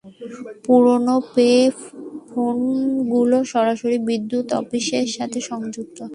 পুরনো পে ফোনগুলো সরাসরি বিদ্যুৎ অফিসের সাথে সংযুক্ত!